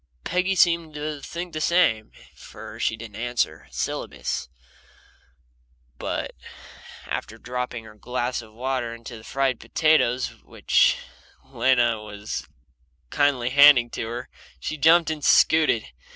Peggy seemed to think the same, for she didn't answer a syllabus, but after dropping her glass of water into the fried potatoes which Lena was kindly handing to her, she jumped and scooted.